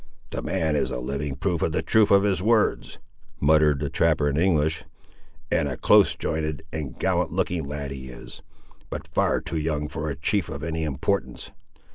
"The man is a living proof of the truth of his words," muttered the trapper in English, "and a close jointed and gallant looking lad he is; but far too young for a chief of any importance.